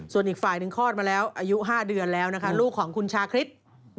ส่วนอีกฝ่ายหนึ่งคลอดมาแล้วอายุ๕เดือนแล้วนะคะลูกของคุณชาคริส